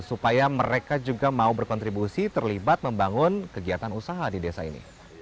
supaya mereka juga mau berkontribusi terlibat membangun kegiatan usaha di desa ini